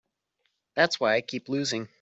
That's why I keep losing.